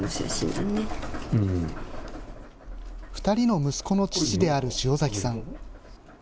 ２人の息子の父である塩崎さん。